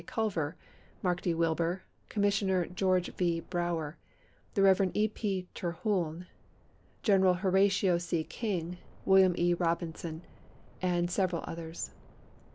Culver, Mark D. Wilber, Commissioner George V. Brower, the Rev. E.P. Terhune, General Horatio C. King, William E. Robinson and several others.